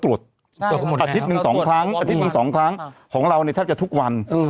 ตรวจทุกคนไหมอาทิตย์หนึ่งสองครั้งอาทิตย์หนึ่งสองครั้งของเราในแทบจะทุกวัน